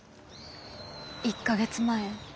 １か月前